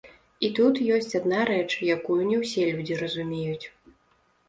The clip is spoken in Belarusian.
І тут ёсць адна рэч, якую не ўсе людзі разумеюць.